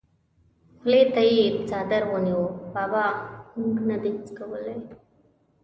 خولې ته یې څادر ونیو: بابا مونږ نه دي څکولي!